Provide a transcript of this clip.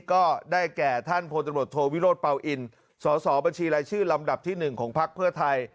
ก็ได้แก่ท่านพลตำรวจโทวิโรธเปล่าอินสสบัญชีรายชื่อลำดับที่๑ของพักเพื่อไทย